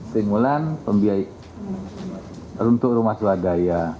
singulan pembiayaan untuk rumah suadaya